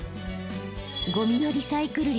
ゴミのリサイクル率